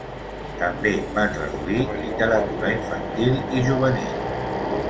També va traduir literatura infantil i juvenil.